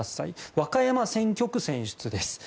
和歌山選挙区選出です。